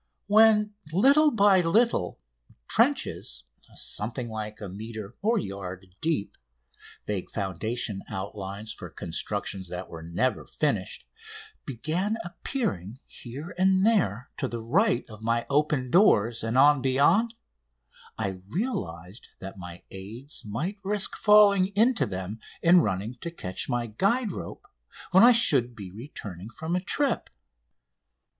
When, little by little, trenches something like a metre (yard) deep vague foundation outlines for constructions that were never finished began appearing here and there to the right of my open doors and on beyond I realised that my aids might risk falling into them in running to catch my guide rope when I should be returning from a trip.